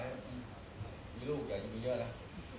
มีลูกอยากจะมีเยอะนะ